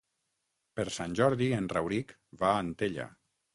Per Sant Jordi en Rauric va a Antella.